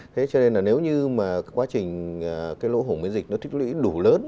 thế cho nên là nếu như mà quá trình cái lỗ hổng miễn dịch nó thích lũy đủ lớn